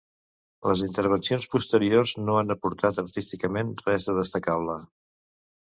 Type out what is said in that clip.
Les intervencions posteriors no han aportat artísticament res de destacable.